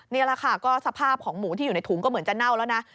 นี่แหละค่ะก็สภาพของหมูที่อยู่ในถุงก็เหมือนจะเน่าแล้วนะ